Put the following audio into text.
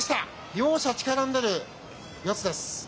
両者、力の出る四つです。